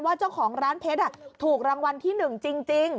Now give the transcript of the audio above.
เจ้าของร้านเพชรถูกรางวัลที่๑จริง